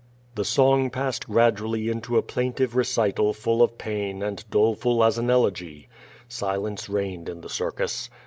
'* The song passed gradually into a plaintive recital full of pain and doleful as an elegy. Silence reigned in the circus.